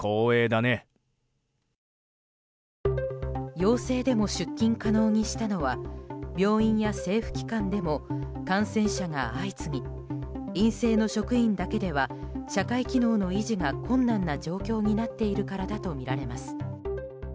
陽性でも出勤可能にしたのは病院や政府機関でも感染者が相次ぎ陰性の職員だけでは社会機能の維持が困難な状況になっているからだとみられます。